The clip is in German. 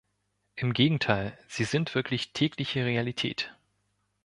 Im Gegenteil, sie sind wirklich tägliche Realität.